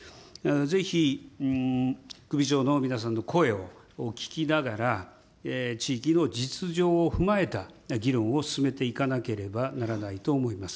ぜひ、首長の皆さんの声を聞きながら、地域の実情を踏まえた議論を進めていかなければならないと思います。